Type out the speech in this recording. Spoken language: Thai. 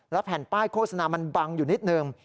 แผ่นป้ายโฆษณามันบังอยู่นิดนึง